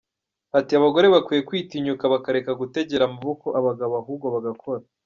Ati “Abagore bakwiye kwitinyuka, bakareka gutegera amaboko abagabo ahubwo bagakora.